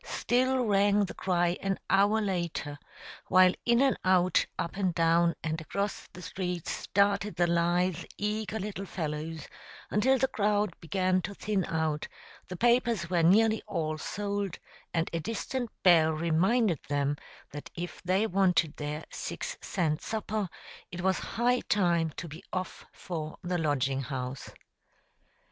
still rang the cry an hour later, while in and out, up and down and across the streets, darted the lithe, eager little fellows, until the crowd began to thin out, the papers were nearly all sold, and a distant bell reminded them that if they wanted their six cent supper, it was high time to be off for the Lodging House.